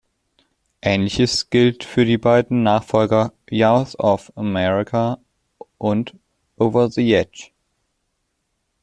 Ähnliches gilt für die beiden Nachfolger "Youth Of America" und "Over The Edge".